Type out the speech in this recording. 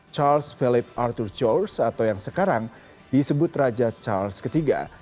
charles philip arthur george atau yang sekarang disebut raja charles iii